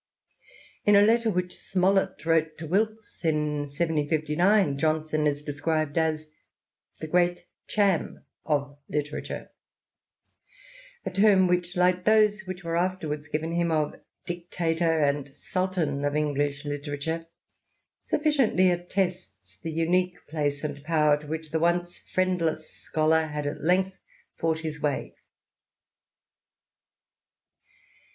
In a letter which Smollett wrote to Wilkes in 1759, Johnson is described as the "great Cham of literature,'* a term which — ^like those which were afterwards given him of " Dictator '' and " Sultan " of English literature — sufficiently attests the unique place and power to which the once friendless scholar had at length fought his way.